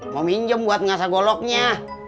mau minjem buat ngasah goloknya